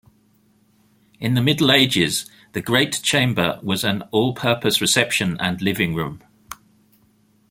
In the Middle Ages the great chamber was an all-purpose reception and living room.